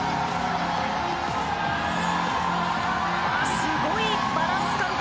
すごいバランス感覚！